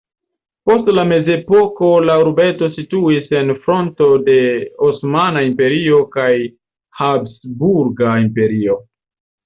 Post la mezepoko la urbeto situis en fronto de Osmana Imperio kaj Habsburga Imperio.